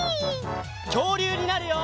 きょうりゅうになるよ！